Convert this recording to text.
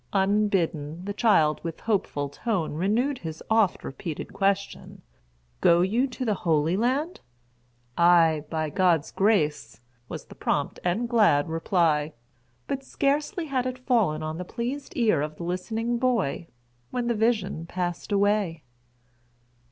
Unbidden, the child with hopeful tone renewed his oft repeated question, "Go you to the Holy Land?" "Ay, by God's grace," was the prompt and glad reply; but scarcely had it fallen on the pleased ear of the listening boy, when the vision passed away.